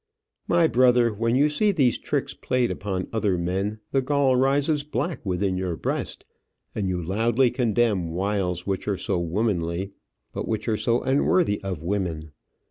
My brother, when you see these tricks played upon other men, the gall rises black within your breast, and you loudly condemn wiles which are so womanly, but which are so unworthy of women.